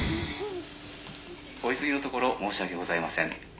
お急ぎのところ申し訳ございません。